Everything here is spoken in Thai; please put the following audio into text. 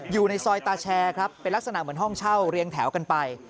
อยู่ในซอยตาแชร์ครับเป็นลักษณะเหมือนห้องเช่าเรียงแถวกันไป